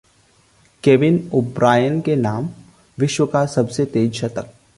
Kevin O'Brien के नाम विश्व कप का सबसे तेज शतक